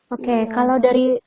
oke kalau dari